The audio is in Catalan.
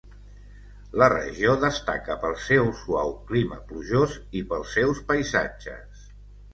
La regió destaca pel seu suau clima plujós i pels seus paisatges.